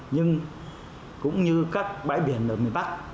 nhưng cũng như các bãi biển ở miền bắc